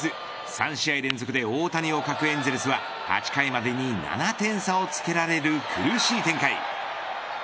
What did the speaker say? ３試合連続で大谷を欠くエンゼルスは８回までに７点差をつけられる苦しい展開。